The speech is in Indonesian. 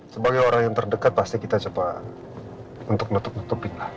sebagai orang yang terdekat pasti kita coba untuk nutup nutupin lah